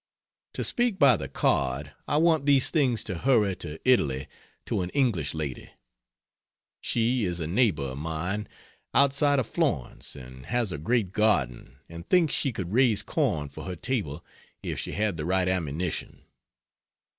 To speak by the card, I want these things to hurry to Italy to an English lady. She is a neighbor of mine outside of Florence, and has a great garden and thinks she could raise corn for her table if she had the right ammunition.